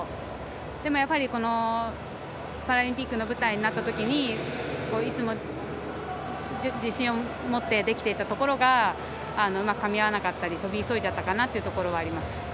でも、パラリンピックの舞台になったときにいつも自信を持ってできていたことがうまくかみ合わなかったり跳び急いじゃったところがあります。